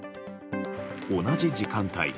同じ時間帯